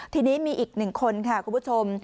ทีนี้มีอีกหนึ่งคนค่ะคุณผู้ชม